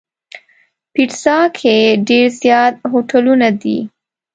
پېټرا کې ډېر زیات هوټلونه دي.